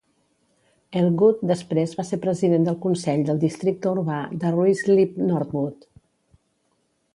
Elgood després va ser president del consell del districte urbà de Ruislip-Northwood.